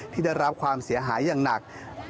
ที่ได้รับความเสียหายอย่างหนัก